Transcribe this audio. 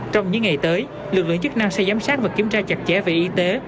trong những ngày tới lực lượng chức năng sẽ giám sát và kiểm tra chặt chẽ về y tế